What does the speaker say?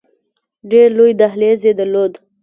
ډېر لوی دهلیز یې درلود.